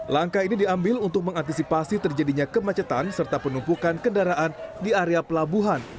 langkah ini diambil untuk mengantisipasi terjadinya kemacetan serta penumpukan kendaraan di area pelabuhan